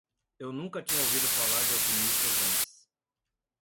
Eu nunca tinha ouvido falar de alquimistas antes